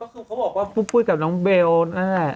ก็คือเขาบอกว่าปุ้มปุ้ยกับน้องเบลนะ